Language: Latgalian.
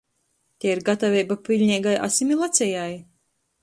Tei ir gataveiba piļneigai asimilacejai??